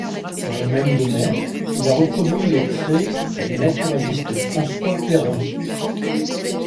Dans le même domaine il a reproduit les traits du naturaliste François Péron.